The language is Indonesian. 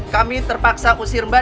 kami terpaksa usir mbak